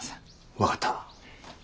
分かった。